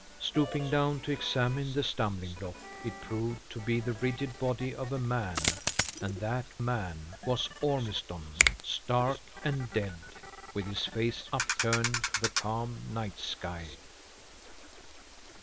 Stooping down to examine the stumbling block, it proved to be the rigid body of a man, and that man was Ormiston, stark and dead, with his face upturned to the calm night sky.